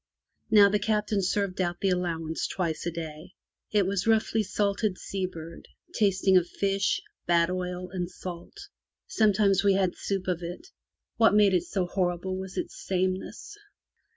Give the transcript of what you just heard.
Now the Captain served out the allowance twice a day. It was roughly salted sea bird, tasting of fish, bad oil, and salt. Sometimes we had soup of it. What made it so horrible was its sameness.